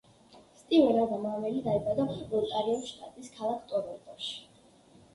სტივენ ადამ ამელი დაიბადა ონტარიოს შტატის ქალაქ ტორონტოში.